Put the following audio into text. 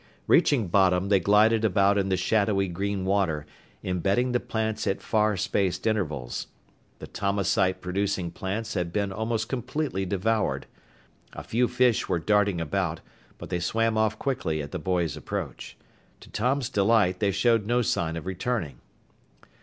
Reaching bottom, they glided about in the shadowy green water, embedding the plants at far spaced intervals. The Tomasite producing plants had been almost completely devoured. A few fish were darting about, but they swam off quickly at the boys' approach. To Tom's delight, they showed no sign of returning.